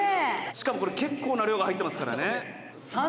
「しかもこれ結構な量が入ってますからね」